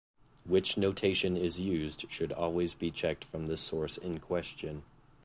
Which notation is used should always be checked from the source in question.